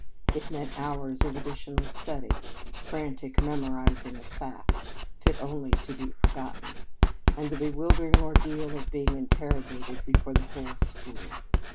It meant hours of additional study, a frantic memor izing of facts, fit only to be forgotten, and the bewildering ordeal of being interrogated before the whole school.